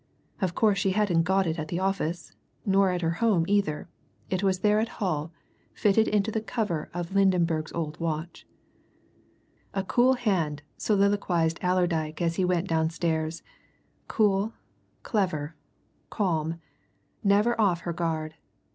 Of course she hadn't got it at the office nor at her home either it was there at Hull, fitted into the cover of Lydenberg's old watch. "A cool hand!" soliloquized Allerdyke as he went downstairs. "Cool, clever, calm, never off her guard.